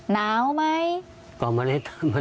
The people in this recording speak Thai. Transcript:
เค้าพูดอะไรไหมเค้าคุยกับแม่ไหมคะเค้าพูดอะไรไหม